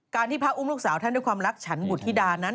ที่พระอุ้มลูกสาวท่านด้วยความรักฉันบุธิดานั้น